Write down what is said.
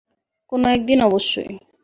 কোন একদিন, অবশ্যই।